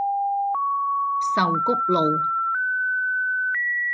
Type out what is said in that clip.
壽菊路